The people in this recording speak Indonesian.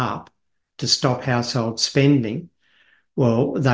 untuk menghentikan penggunaan rumah